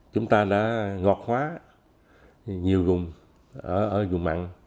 chúng ta đã ngọt hóa nhiều vùng ở vùng mặn